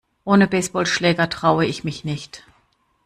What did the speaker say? Ohne Baseballschläger traue ich mich nicht.